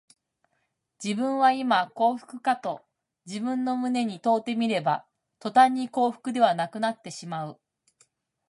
自分はいま幸福かと自分の胸に問うてみれば、とたんに幸福ではなくなってしまう